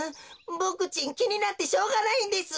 ボクちんきになってしょうがないんです。